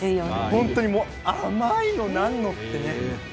本当に甘いのなんのってね。